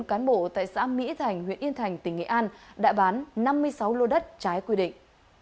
bốn cán bộ tại xã mỹ thành huyện yên thành tỉnh nghệ an đã bán năm mươi sáu lô đất trái quy định